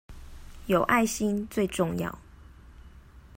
有愛心最重要